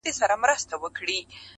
سپرېدل به پر ښايستو مستو آسونو.!